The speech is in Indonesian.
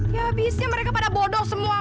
ya habisnya mereka pada bodoh semua